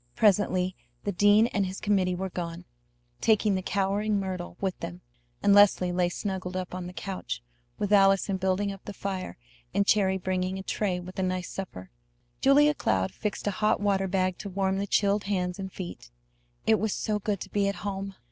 Presently the dean and his committee were gone, taking the cowering Myrtle with them, and Leslie lay snuggled up on the couch, with Allison building up the fire and Cherry bringing a tray with a nice supper. Julia Cloud fixed a hot water bag to warm the chilled hands and feet. It was so good to be at home!